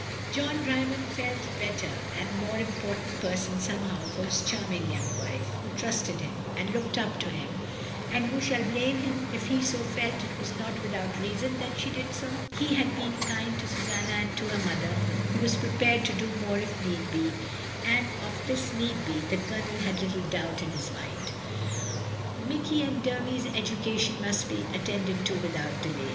John Dymond felt a better and more important person somehow for his charming young wife, who trusted him, and looked up to him — and who shall blame him if he also felt it was not without reason that she did so? He had been kind to Susanna and to her mother; he was prepared to do more if need be; and of this need be, the Colonel had little doubt in his mind. Mikey and Dermy's education must be attended to without delay.